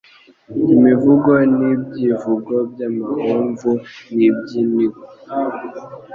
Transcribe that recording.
imivugo n'ibyivugo by'amahomvu n'iby'iningwa.